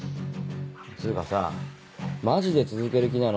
つうかさマジで続ける気なの？